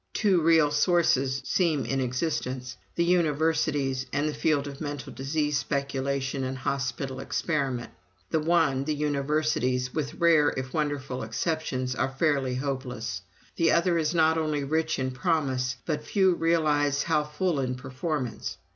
Two real sources seem in existence the universities and the field of mental disease speculation and hospital experiment. The one, the universities, with rare if wonderful exceptions, are fairly hopeless; the other is not only rich in promise, but few realize how full in performance.